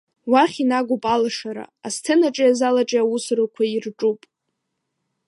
Уахь инагоуп алашара, асценаҿи азалаҿи аусурақәа ирҿуп.